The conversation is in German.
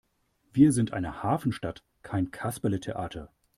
Wir sind eine Hafenstadt, kein Kasperletheater!